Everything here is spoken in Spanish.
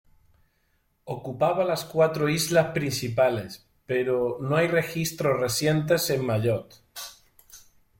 Ocupaba las cuatro islas principales pero no hay registros recientes en Mayotte.